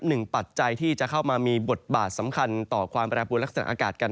ปัจจัยที่จะเข้ามามีบทบาทสำคัญต่อความแปรปวนลักษณะอากาศกัน